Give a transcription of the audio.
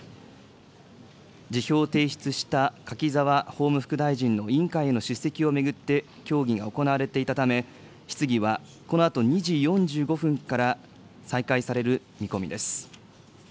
辞表を提出した柿沢法務副大臣の委員会への出席を巡って、協議が行われていたため、質疑はこのあと２時４５分から再開される見込みです。